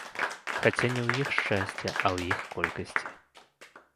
Хаця не ў іх шчасце, а ў іх колькасці.